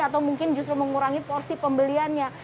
atau mungkin justru mengurangi porsi pembeliannya